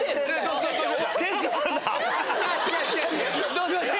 どうしました？